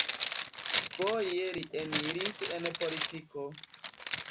Foje li eniris en politiko.